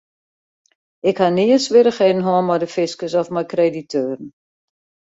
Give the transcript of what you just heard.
Ik ha nea swierrichheden hân mei de fiskus of mei krediteuren.